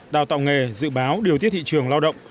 đào tạo nghề dự báo điều tiết thị trường lao động